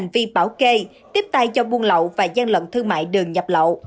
vì bảo kê tiếp tay cho buôn lậu và gian lận thương mại đường dập lậu